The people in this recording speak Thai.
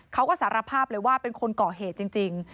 เขาก็สารภาพเลยว่าเป็นคนก่อเหตุจริง